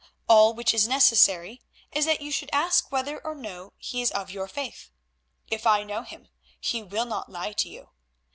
All which is necessary is that you should ask whether or no he is of your faith. If I know him, he will not lie to you.